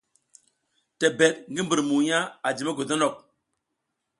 Tebed ngi mbur mugna a ji mogodok.